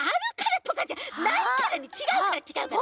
ちがうからちがうから！